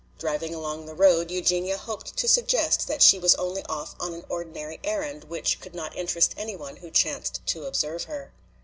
Driving along the road Eugenia hoped to suggest that she was only off on an ordinary errand which could not interest any one who chanced to observe her.